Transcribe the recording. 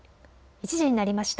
１時になりました。